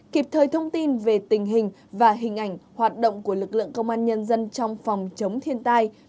kịp thời thông tin về tình hình và hình ảnh hoạt động của lực lượng công an nhân dân trong phòng chống thiên tai